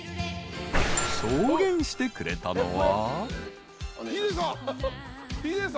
［証言してくれたのは］